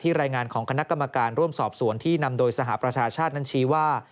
รายงานของคณะกรรมการร่วมสอบสวนที่นำโดยสหประชาชาตินั้นชี้ว่า